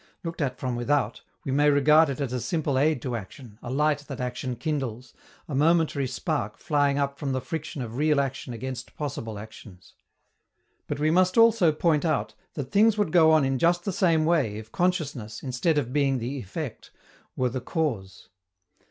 Looked at from without, we may regard it as a simple aid to action, a light that action kindles, a momentary spark flying up from the friction of real action against possible actions. But we must also point out that things would go on in just the same way if consciousness, instead of being the effect, were the cause.